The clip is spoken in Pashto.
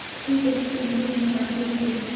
سپي د شتمنۍ محافظ وي.